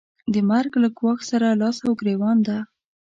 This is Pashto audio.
د مرګ له ګواښ سره لاس او ګرېوان ده.